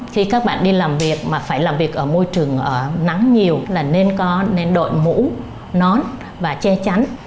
khi các bạn đi làm việc mà phải làm việc ở môi trường nắng nhiều là nên có nên đội mũ nón và che chắn